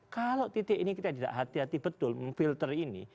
kalau titik ini kita tidak hati hati betul memfilter ini